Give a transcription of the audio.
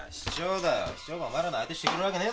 市長がお前らの相手してくれるわけねえだろ。